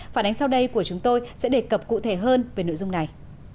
phản ánh sau đây của chúng tôi sẽ đề cập cụ thể hơn về nội dung này